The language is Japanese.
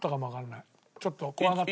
ちょっと怖がって。